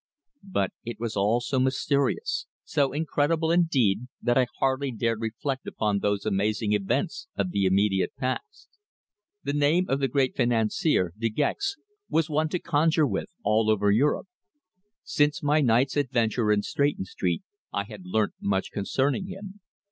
But it was all so mysterious, so incredible indeed, that I hardly dared reflect upon those amazing events of the immediate past. The name of the great financier, De Gex, was one to conjure with all over Europe. Since my night's adventure in Stretton Street I had learnt much concerning him.